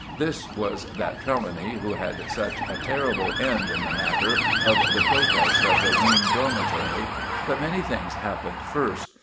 This was that Trelawny who had such a terrible end in the matter of the protest of the wing dormitory. But many things happened first.